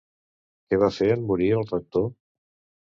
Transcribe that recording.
Què va fer en morir el rector?